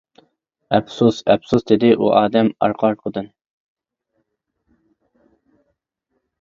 -ئەپسۇس، ئەپسۇس، -دېدى ئۇ ئادەم ئارقا-ئارقىدىن.